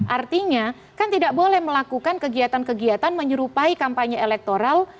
artinya kan tidak boleh melakukan kegiatan kegiatan menyerupai kampanye elektoral